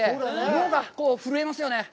脳が震えますよね。